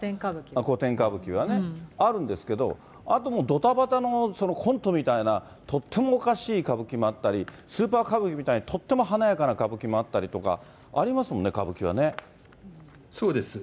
古典歌舞伎はね、あるんですけど、あとどたばたのコントみたいな、とってもおかしい歌舞伎もあったり、スーパー歌舞伎みたいにとっても華やかな歌舞伎もあったりとか、そうです。